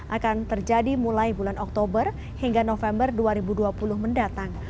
akan terjadi mulai bulan oktober hingga november dua ribu dua puluh mendatang